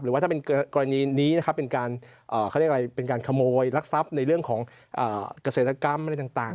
ว่าถ้าเป็นกรณีนี้นะครับเป็นการเขาเรียกอะไรเป็นการขโมยรักทรัพย์ในเรื่องของเกษตรกรรมอะไรต่าง